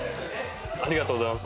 ありがとうございます。